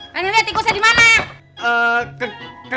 lihat lihat tikusnya dimana ya